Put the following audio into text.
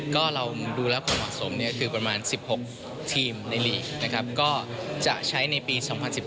ก็เราดูแล้วความเหมาะสมคือประมาณ๑๖ทีมในลีกนะครับก็จะใช้ในปี๒๐๑๘